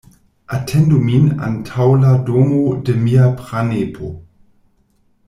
Atendu min antaŭ la domo de mia pranepo.